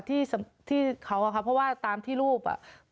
ที่เขาเพราะว่าตามที่รูป